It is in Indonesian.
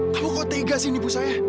kamu kok tegasin ibu saya